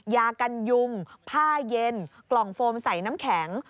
ยากันยุงผ้าเย็นกล่องโฟมใส่น้ำแข็ง